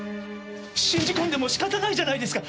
信じ込んでも仕方ないじゃないですか。